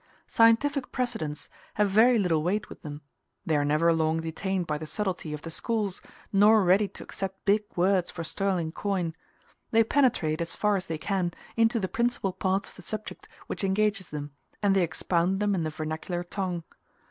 Scientific precedents have very little weight with them; they are never long detained by the subtilty of the schools, nor ready to accept big words for sterling coin; they penetrate, as far as they can, into the principal parts of the subject which engages them, and they expound them in the vernacular tongue.